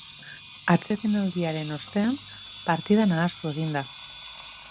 Atsedenaldiaren ostean partida nahastu egin da.